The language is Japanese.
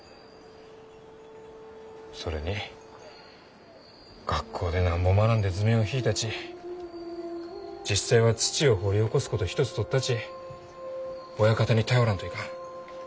それに学校でなんぼ学んで図面を引いたち実際は土を掘り起こすこと一つとったち親方に頼らんといかん。